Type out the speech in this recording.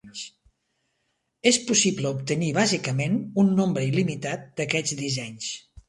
És possible obtenir bàsicament un nombre il·limitat d'aquests dissenys.